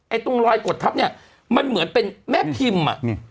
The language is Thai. ตรงรอยกดทับเนี่ยมันเหมือนเป็นแม่พิมพ์อ่ะ